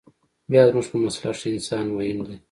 بيا زموږ په مسلک کښې انسان مهم ديه.